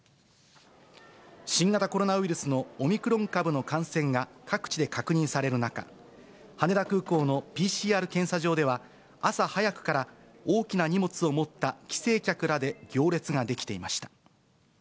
新型コロナウイルスのオミクロン株の感染が各地で確認される中、羽田空港のＰＣＲ検査場では、朝早くから大きな荷物を持った帰省客らで行列が出来ていました。